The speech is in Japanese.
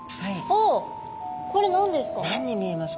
おっこれ何ですか？